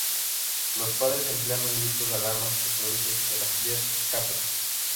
Los padres emplean un grito de alarma que produce que las crías escapen.